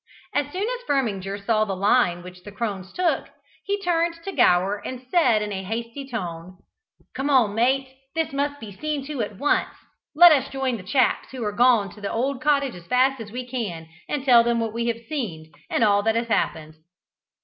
As soon as Firminger saw the line which the crones took, he turned to Gower and said in a hasty tone, "Come on, mate, this must be seen to at once. Let us join the chaps who are gone to the old cottage as fast as we can, and tell them what we have seen, and all that has happened."